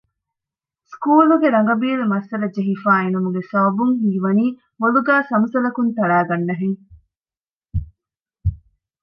ސުކޫލުގެ ރަނގަބީލު މައްސަލަ ޖެހިފައި އިނުމުގެ ސަބަބުން ހީވަނީ ބޮލުގައި ސަމުސަލަކުން ތަޅައިގަންނަހެން